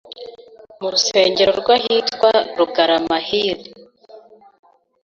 mu rusengero rw'ahitwa Rugarama Hill